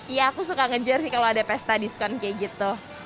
ya aku suka ngejar sih kalau ada pesta diskon kayak gitu